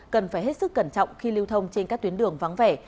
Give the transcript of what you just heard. cần phải hết sức cẩn trọng khi lưu thông trên các tuyến đường vắng vẻ